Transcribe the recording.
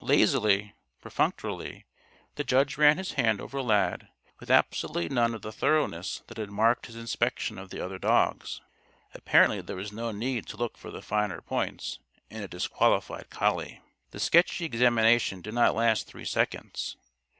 Lazily, perfunctorily, the judge ran his hand over Lad, with absolutely none of the thoroughness that had marked his inspection of the other dogs. Apparently there was no need to look for the finer points in a disqualified collie. The sketchy examination did not last three seconds.